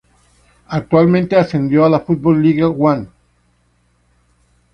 Actualmente ascendió a la Football League One.